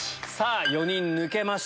４人抜けました